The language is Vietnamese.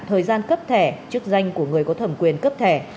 thời gian cấp thẻ chức danh của người có thẩm quyền cấp thẻ